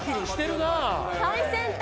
最先端。